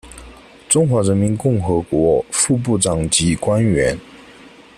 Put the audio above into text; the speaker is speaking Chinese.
中华人民共和国副部长级官员。